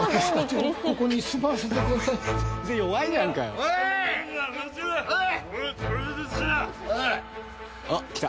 おっ来た。